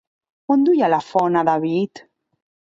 On duia la fona David?